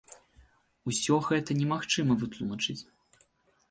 Усё гэта немагчыма вытлумачыць.